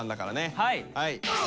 はい。